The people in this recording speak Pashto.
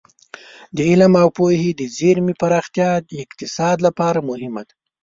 د علم او پوهې د زېرمې پراختیا د اقتصاد لپاره مهمه ده.